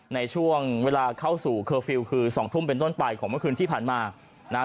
ในช่วงเวลาเข้าสู่เคอร์ฟิลล์คือ๒ทุ่มเป็นต้นไปของเมื่อคืนที่ผ่านมานะฮะ